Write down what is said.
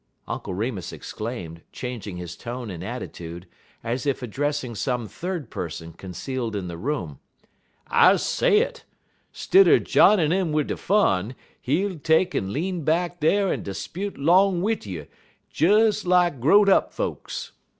Uncle Remus exclaimed, changing his tone and attitude, as if addressing some third person concealed in the room. "I say it! Stidder j'inin' in wid de fun, he'll take'n lean back dar en 'spute 'long wid you des lak grow'd up folks.